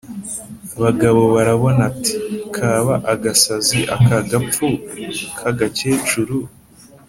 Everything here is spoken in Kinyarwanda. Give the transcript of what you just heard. Bagabobarabona ati: "Kaba agasazi aka gapfu k’agakecuru!